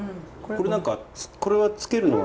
これ何かこれはつけるのは？